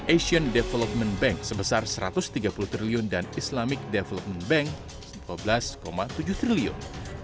asian development bank sebesar rp satu ratus tiga puluh triliun dan islamic development bank rp dua belas tujuh triliun